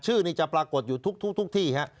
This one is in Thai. ชื่อนี้จะปรากฏอยู่ทุกที่ฮะ